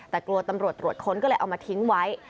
แต่กลัวตำรวจตรวจค้นก็เลยเอามาทิ้งไว้